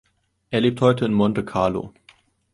Er lebt heute in Monte Carlo.